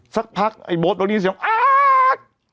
สักพักไอ้โบ๊ทเข้าที่นี่เสียงเอาอ๊าก